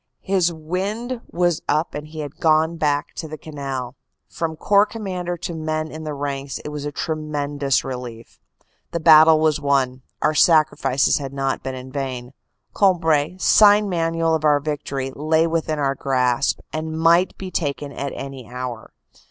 His wind was up and he had gone back to the canal. From Corps Commander to the men in the ranks it was a tremendous relief. The battle was won ; our sacrifices had not been in vain. Cambrai, sign manual of our victory, lay within our grasp and might be taken at any hour.